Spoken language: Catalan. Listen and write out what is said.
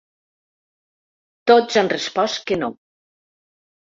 Tots han respost que no.